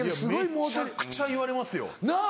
めちゃくちゃ言われますよ。なぁ。